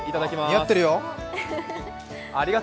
似合ってるよ。